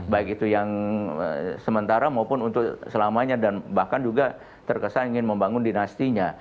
baik itu yang sementara maupun untuk selamanya dan bahkan juga terkesan ingin membangun dinastinya